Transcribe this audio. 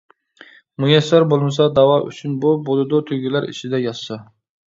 مۇيەسسەر بولمىسا داۋا ئۈچۈن بۇ، بولىدۇ تۈگىلەر ئىچىدە ياتسا.